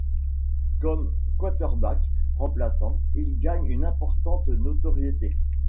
Comme quarterback remplaçant, il gagne une importante notoriété.